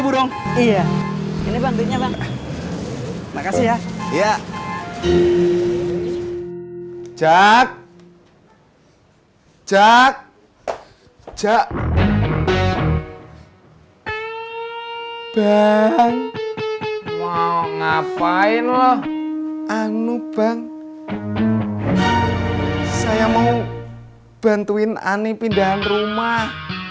hai jak jak jak jak bang mau ngapain loh anu bang saya mau bantuin ani pindahan rumah